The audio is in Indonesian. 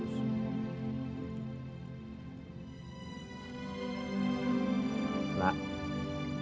si eus bekerja sangat bagus